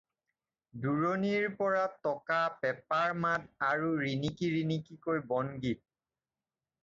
দূৰণিৰ পৰা টকা, পেপাৰ মাত আৰু ৰিণিকি ৰিণিকিকৈ বনগীত